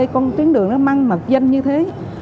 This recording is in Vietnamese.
con tuyến đường nó mang mặt danh như thế